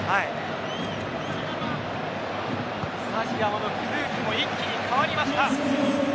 スタジアムの空気も一気に変わりました。